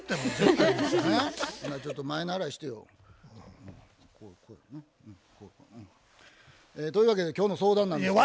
ほなちょっと前ならえしてよ。というわけで今日の相談なんですけど。